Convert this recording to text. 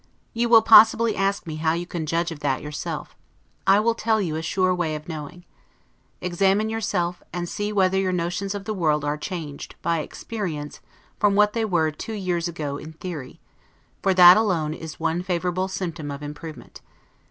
You will possibly ask me how you can judge of that yourself. I will tell you a sure way of knowing. Examine yourself, and see whether your notions of the world are changed, by experience, from what they were two years ago in theory; for that alone is one favorable symptom of improvement.